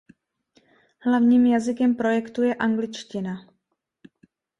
Hlavním jazykem projektu je angličtina.